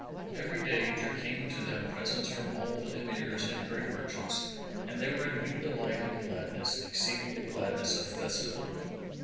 Every day, there came to them presents from all the Emirs and great merchants, and they were in new delight and gladness exceeding the gladness of festival.